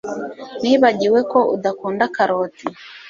Nibagiwe ko udakunda karoti